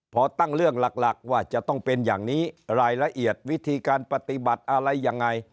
พอตั้งเรื่องหลักว่าจะต้องเป็นอย่างนี้รายละเอียดวิธีการปฏิบัติอะไรยังไง